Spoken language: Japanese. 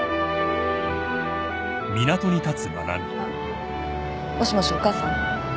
あっもしもしお母さん？